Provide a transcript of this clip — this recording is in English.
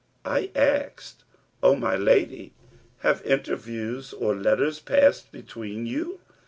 I asked, 'O my lady, have interviews or letters passed between you?'